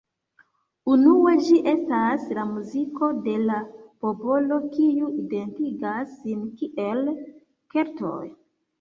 Unue, ĝi estas la muziko de la popolo kiu identigas sin kiel Keltoj.